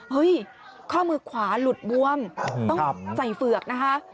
ข้อมือขวาหลุดบวมต้องใส่เฝือกนะคะ